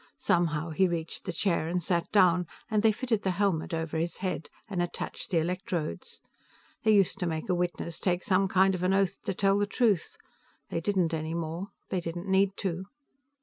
Somehow, he reached the chair and sat down, and they fitted the helmet over his head and attached the electrodes. They used to make a witness take some kind of an oath to tell the truth. They didn't any more. They didn't need to.